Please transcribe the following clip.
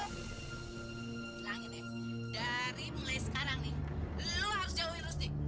bilangin ya dari mulai sekarang nih lo harus jauhi rusti